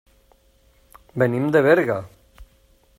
Venim de Berga.